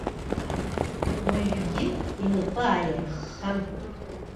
Уажәгьы, инапы ааирххан.